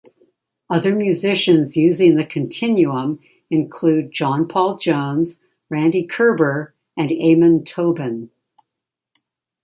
Other musicians using the Continuum include John Paul Jones, Randy Kerber and Amon Tobin.